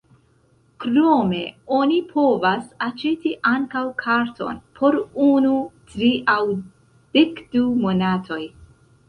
Krome oni povas aĉeti ankaŭ karton por unu, tri aŭ dekdu monatoj.